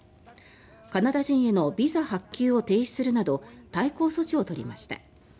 カナダ人へのビザ発給を停止するなど対抗措置を取りました。